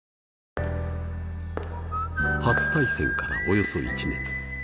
初対戦からおよそ１年。